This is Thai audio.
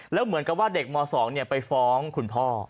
แล้วเหมือนกับว่าเด็กม๒ไปฟ้องคุณพ่อ